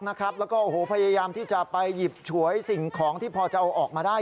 แล้วก็พยายามที่จะไปหยิบฉวยสิ่งของที่พอจะเอาออกมาได้